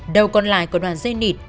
đầu còn lại có đoàn dây nịt